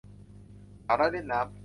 สาวน้อยเล่นน้ำ